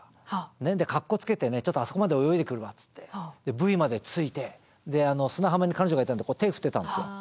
かっこつけてねちょっとあそこまで泳いでくるわっつってブイまで着いて砂浜に彼女がいたんで手振ってたんですよ。